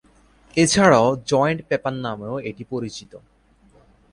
এছাড়াও joint paper নামেও এটি পরিচিত।